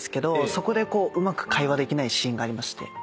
そこでうまく会話できないシーンがありまして。